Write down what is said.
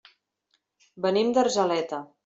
Venim d'Argeleta.